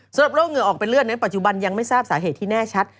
โรคเหงื่อออกเป็นเลือดนั้นปัจจุบันยังไม่ทราบสาเหตุที่แน่ชัด